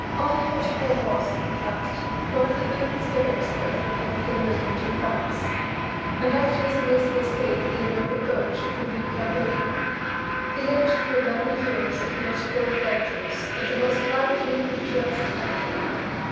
Henri Rochefort was, in fact, one of the moving spirits of the Republican movement in France, and after his amazing escape in an open boat from New Caledonia, he lived through many years of political adventures of the most lively and picturesque character.